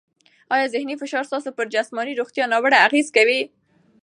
آیا ذهني فشار ستاسو پر جسماني روغتیا ناوړه اغېزه کوي؟